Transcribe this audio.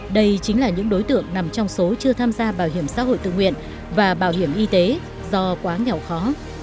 đây chính là những đối tượng nằm trong số chưa tham gia bảo hiểm xã hội tự nguyện và bảo hiểm y tế do quá nghèo khó